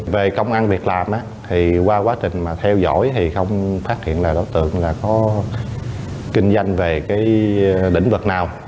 về công an việc làm qua quá trình theo dõi thì không phát hiện là đối tượng có kinh doanh về đỉnh vực nào